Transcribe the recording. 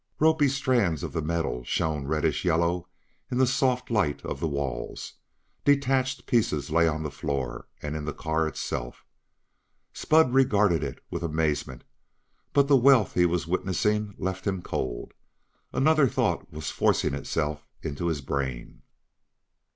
Ropy strands of the metal shone reddish yellow in the soft light of the walls; detached pieces lay on the floor and in the car itself. Spud regarded it with amazement, but the wealth he was witnessing left him cold; another thought was forcing itself into his brain.